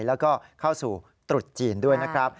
แล้วก็เข้าสู่ตรุษจีนด้วยนะครับ